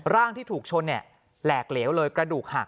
ร่างที่ถูกชนแหลกเหลวเลยกระดูกหัก